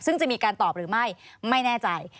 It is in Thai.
ซึ่งจะมีการตอบหรือไม่ไม่แน่ใจ